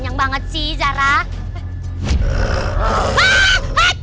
iya ini makanan perempuan